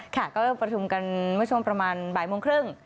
ค่ะก็ประชุมกันเมื่อช่วงประมาณบ่ายโมงครึ่ง